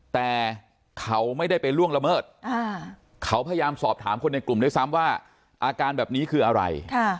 แต่เขาไม่ได้ไปล่วงละเมิดเขาพยายามสอบถามคนในกลุ่มด้วยซ้ำว่าอาการแบบนี้คืออะไร